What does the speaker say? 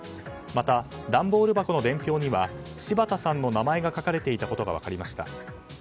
また段ボール箱の伝票には柴田さんの名前が書かれていたことが分かりました。